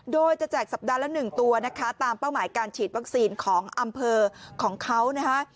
โดยจะแจกสัปดาห์ละ๑ตัวนะคะตามเป้าหมายการฉีดวัคซีนของอำเภอของเขานะคะ